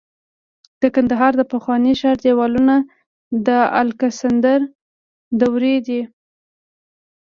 د کندهار د پخواني ښار دیوالونه د الکسندر دورې دي